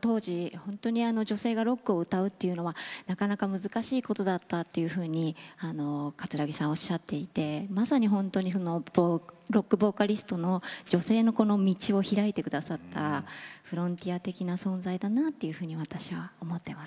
当時女性がロックを歌うっていうのはなかなか難しいことだったっていうふうに葛城さんおっしゃっていてまさに本当にロックボーカリストの女性のこの道をひらいて下さったフロンティア的な存在だなというふうに私は思ってます。